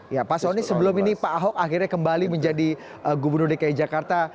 ya pak soni sebelum ini pak ahok akhirnya kembali menjadi gubernur dki jakarta